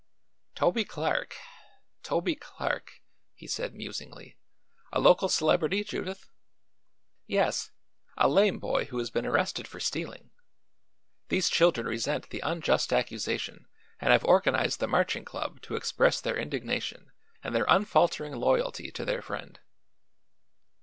"Toby Clark Toby Clark," he said musingly. "A local celebrity, Judith?" "Yes; a lame boy who has been arrested for stealing. These children resent the unjust accusation and have organized the Marching Club to express their indignation and their unfaltering loyalty to their friend."